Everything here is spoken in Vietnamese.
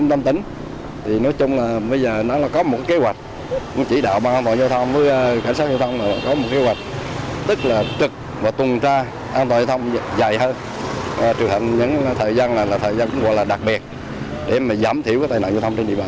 ngăn chặn các hành vi vi phạm an toàn giao thông trên quốc lộ một